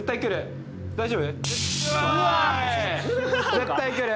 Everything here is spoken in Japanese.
絶対来る！